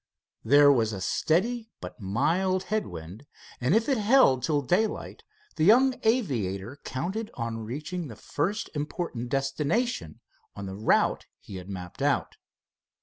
There was a steady but mild head wind, and if he held till daylight the young aviator counted on reaching the first important destination on the route he had mapped out.